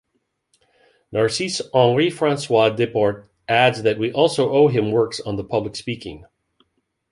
Narcisse Henri François Desportes adds that we also owe him works on the public speaking.